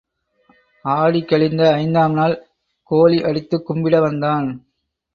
ஆடி கழிந்த ஐந்தாம் நாள் கோழி அடித்துக் கும்பிட வந்தான்.